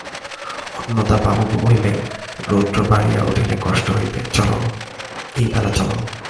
অন্নদাবাবু কহিলেন, রৌদ্র বাড়িয়া উঠিলে কষ্ট হইবে, চলো, এইবেলা চলো।